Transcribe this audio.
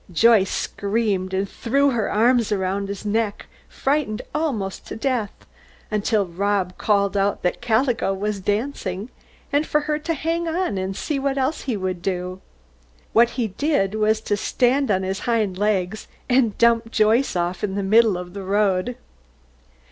Joyce screamed and threw her arms around his neck, frightened almost to death until Rob called out that Calico was dancing, and for her to hang on and see what he would do. What he did was to stand on his hind legs and dump Joyce off into the middle of the road.